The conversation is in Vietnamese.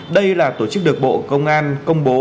đây là tổ chức được bộ công an công bố